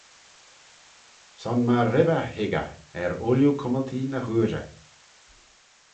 Son myr ribbey hig eh er ooilley cummaltee ny hooirey.